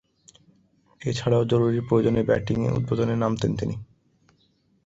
এছাড়াও, জরুরী প্রয়োজনে ব্যাটিং উদ্বোধনে নামতেন তিনি।